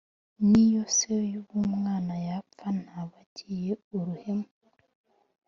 N’iyo se w’umwana yapfa, ntaba agiye uruhenu,